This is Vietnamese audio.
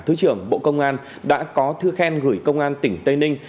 thứ trưởng bộ công an đã có thư khen gửi công an tỉnh tây ninh